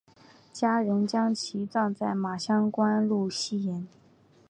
家人将其葬在马乡官路西沿。